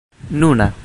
nuna